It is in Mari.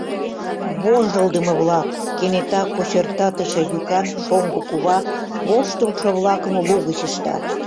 — Вожылдымо-влак! — кенета кочыртатыше йӱкан шоҥго кува воштылшо-влакым лугыч ышта.